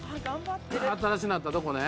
新しなったとこね。